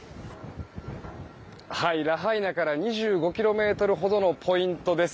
ラハイナから２５ｋｍほどのポイントです。